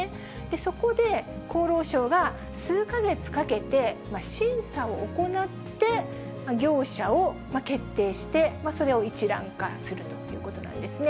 そこで、厚労省が数か月かけて、審査を行って、業者を決定して、それを一覧化するということなんですね。